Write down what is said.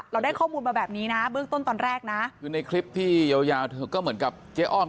เราได้ข้อมูลมาแบบนี้นะเบื้องต้นตอนแรกนะคือในคลิปที่ยาวยาวเธอก็เหมือนกับเจ๊อ้อม